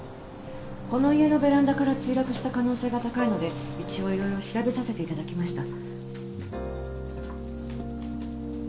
この家のベランダから墜落した可能性が高いので一応色々調べさせていただきました。